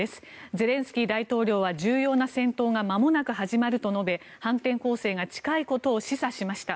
ゼレンスキー大統領は重要な戦闘がまもなく始まると述べ反転攻勢が近いことを示唆しました。